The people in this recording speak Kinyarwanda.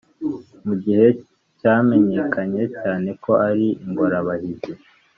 mugihe cyamenyekanye cyane ko ari "ingorabahizi